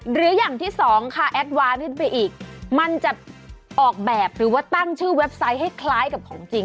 หรืออย่างที่สองค่ะแอดวานขึ้นไปอีกมันจะออกแบบหรือว่าตั้งชื่อเว็บไซต์ให้คล้ายกับของจริง